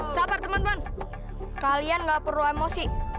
sabar teman teman kalian nggak perlu emosi